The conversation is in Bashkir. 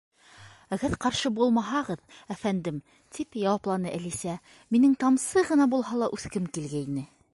—Әгәр ҡаршы булмаһағыҙ, әфәндем, —тип яуапланы Әлисә, —минең тамсы ғына булһа ла үҫкем килгәйне.